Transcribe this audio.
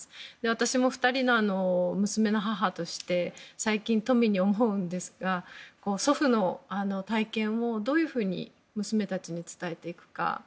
私も２人の娘の母として最近、特に思うんですが祖父の体験をどういうふうに娘たちに伝えていくか。